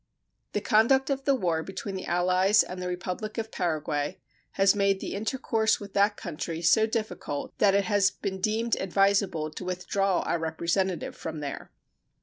The conduct of the war between the allies and the Republic of Paraguay has made the intercourse with that country so difficult that it has been deemed advisable to withdraw our representative from there.